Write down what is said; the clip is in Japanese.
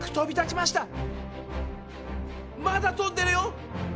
まだ飛んでるよ！